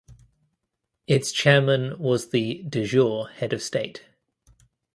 Its chairman was the "de jure" head of state.